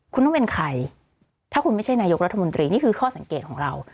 คุณต้องเป็นใครถ้าคุณไม่ใช่นายกรัฐมนตรีนี่คือข้อสังเกตของเรา